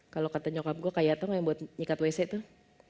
kalau kata nyokap gue kayak tau gak yang buat nyikat wc tuh